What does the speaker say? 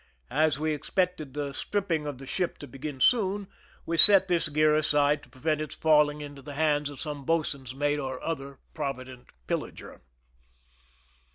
As we ex pected the stripping of the ship to begin soon, we set this gear aside to prevent its falling into the 39 THE SINKING OF THE "MEEKIMAC" hands of some boatswain's mate or other provident pillager.